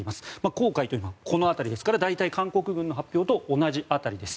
黄海というのはこの辺りですから大体、韓国軍の発表と同じ辺りです。